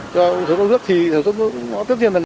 cho ông sản xuất lắp ráp thì nó tốt hơn